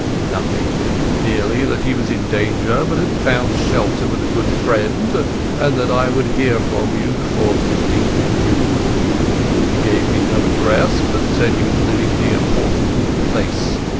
"Nothing. Merely that he was in danger, but had found shelter with a good friend, and that I would hear from him before the 15th of June. He gave me no address, but said he was living near Portland Place.